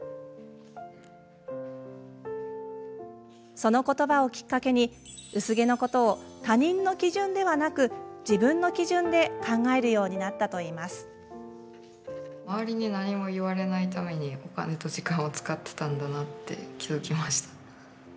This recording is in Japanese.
そのことばをきっかけに薄毛のことを他人の基準ではなく自分の基準で考えるようになったといいます。